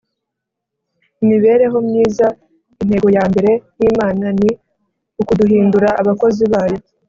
imibereho myiza, intego ya mbere y’Imana ni ukuduhindura abakozi bayo